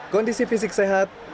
kondisi fisik sehat